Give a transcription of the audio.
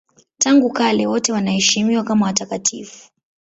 Tangu kale wote wanaheshimiwa kama watakatifu.